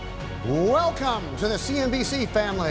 selamat datang di cnbc family